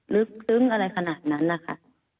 ลึกซึ้งอะไรขนาดนั้นนะคะ